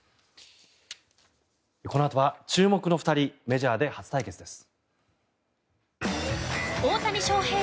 このあとは注目の２人メジャーで初対決です。